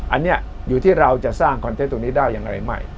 อันนี้อยู่ที่เราจะสร้างคอนเทนต์ตรงนี้ได้อย่างไรใหม่